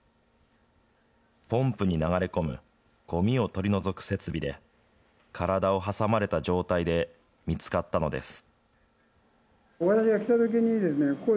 ポンプに流れ込むごみを取り除く設備で、体を挟まれた状態で見つかったのです。